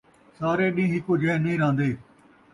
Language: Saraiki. سارے ݙین٘ہہ ہکو جیہے نئیں رہن٘دے